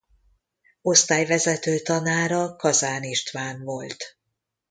Osztályvezető tanára Kazán István volt.